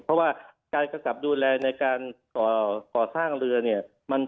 เพราะว่าการกำกับดูแลในการก่อสร้างเรือเนี่ย